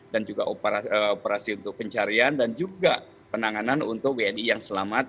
dan juga operasi untuk pencarian dan juga penanganan untuk wni yang selamat